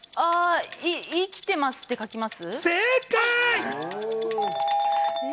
「生きてます」って書きます？